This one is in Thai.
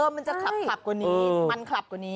มันจะขลับกว่านี้มันคลับกว่านี้